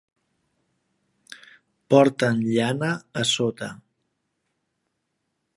Porten llana a sota.